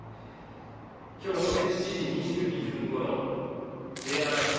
今日午前７時２２分ごろＪアラート＝